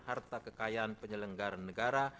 harta kekayaan penyelenggaran negara